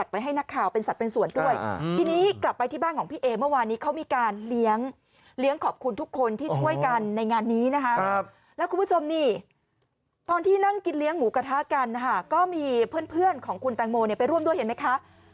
ตอนที่นั่งกินเลี้ยงหมู่กระทะกันนะฮะก็มีเพื่อนของคุณแตงโมไปร่วมด้วยเห็นไหมคะ